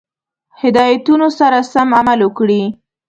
هدایتونو سره سم عمل وکړي.